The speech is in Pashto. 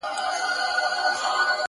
o ده,